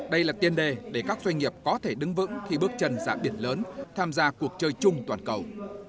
đây là tiên đề để các doanh nghiệp có thể đứng vững khi bước chân giả biệt lớn tham gia cuộc chơi chung toàn cầu